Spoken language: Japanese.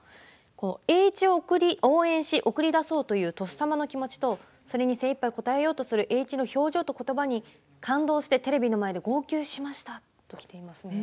栄一を応援して送り出そうというとっさまの気持ちとそれに精いっぱい応えようとする栄一のことばと表情に感動してテレビの前で号泣しましたときています。